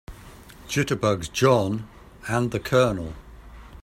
Jitterbugs JOHN and the COLONEL.